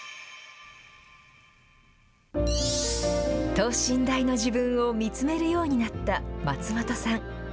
等身大の自分を見つめるようになった松本さん。